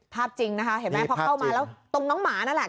จริงนะคะเห็นไหมพอเข้ามาแล้วตรงน้องหมานั่นแหละ